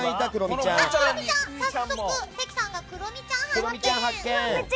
早速、関さんがクロミちゃん発見！